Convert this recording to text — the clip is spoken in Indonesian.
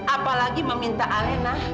apalagi meminta alena untuk mendonorkannya